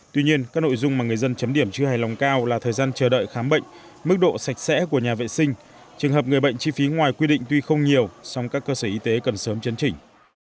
tuy nhiên các nội dung mà người dân chấm điểm chưa hài lòng cao là thời gian chờ đợi khám bệnh mức độ sạch sẽ của nhà vệ sinh trường hợp người bệnh chi phí ngoài quy định tuy không nhiều song các cơ sở y tế cần sớm chấn chỉnh